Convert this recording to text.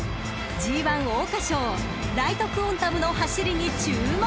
［ＧⅠ桜花賞ライトクオンタムの走りに注目］